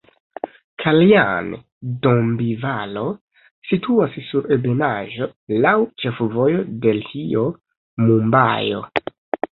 Kaljan-Dombivali situas sur ebenaĵo laŭ ĉefvojo Delhio-Mumbajo.